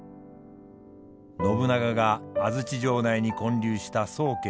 信長が安土城内に建立した見寺。